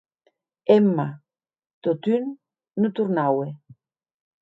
Emma, totun, non tornaue.